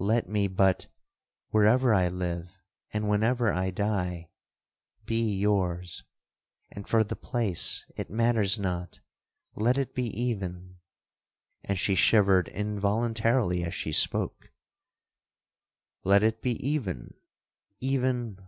Let me but, wherever I live, and whenever I die, be yours!—and for the place, it matters not, let it be even'—and she shivered involuntarily as she spoke; 'Let it be even'—'Even—where?'